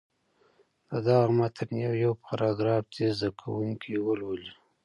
د دغه متن یو یو پاراګراف دې زده کوونکي ولولي.